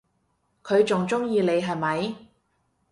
佢仲鍾意你係咪？